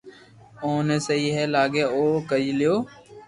آم ني جي سھي لاگي او ڪري ليو